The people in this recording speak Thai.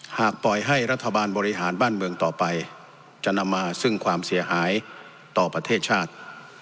หากปล่อยให้รัฐบาลบริหารบ้านเมืองต่อไปจะนำมาซึ่งความเสียหายต่อประเทศชาติ